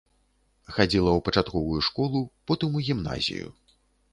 Хадзіла ў пачатковую школу, потым у гімназію.